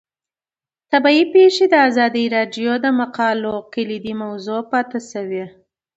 طبیعي پېښې د ازادي راډیو د مقالو کلیدي موضوع پاتې شوی.